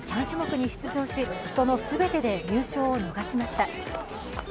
３種目に出場しその全てで入賞を逃しました。